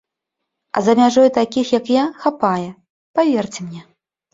А за мяжой такіх, як я, хапае, паверце мне.